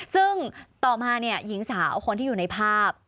ซึ่งต่อมาเนี่ยหญิงสาวคนที่อยู่ในภาพ